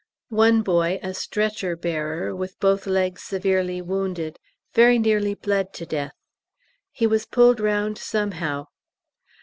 One boy, a stretcher bearer, with both legs severely wounded, very nearly bled to death. He was pulled round somehow.